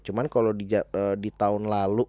cuman kalo di tahun lalu